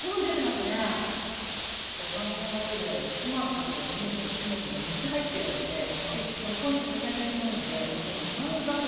うまみのもとであるトマトとねぎときのこが３つ入ってるのでそこに豚肉なのでもうちょっとうまみ爆弾みたいな。